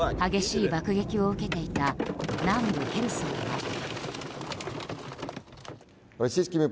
激しい爆撃を受けていた南部ヘルソンは。